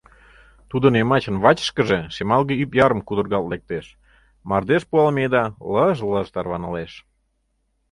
Тудын йымачын вачышкыже шемалге ӱп ярым кудыргалт лектеш, мардеж пуалме еда лыж-лыж тарванылеш.